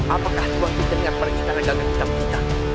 apakah tuan tidak ingat perintah regal ketam kita